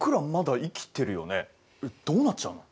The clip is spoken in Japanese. どうなっちゃうの？